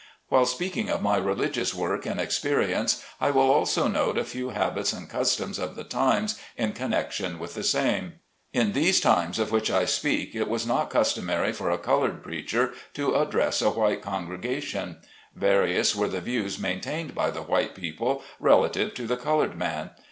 While speaking of my religious work and expe rience, I will also note a few habits and customs of the times, in connection with the same. In these times of which I speak it was not custom ary for a colored preacher to address a white congre gation ; various were the v : ews maintained by the white people relative to the colored man.